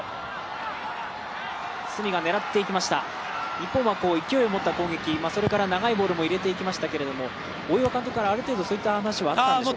日本は勢いを持った攻撃長いボールも入れてきましたけど大岩監督からある程度、そういう話は合ったんでしょうか？